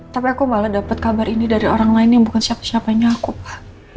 tapi aku malah dapat kabar ini dari orang lain yang bukan siapa siapanya aku pak